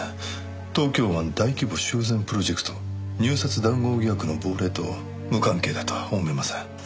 東京湾大規模修繕プロジェクト入札談合疑惑の亡霊と無関係だとは思えません。